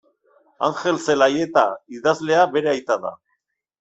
Angel Zelaieta idazlea bere aita da.